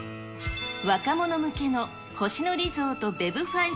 若者向けの星野リゾートベブ５